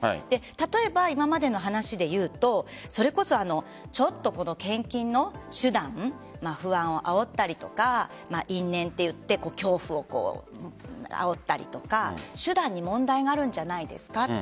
例えば今までの話で言うとちょっと献金の手段不安をあおったりとか因縁と言って、恐怖をあおったりとか手段に問題があるんじゃないですか。